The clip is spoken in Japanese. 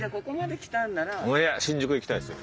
いや新宿行きたいですよ。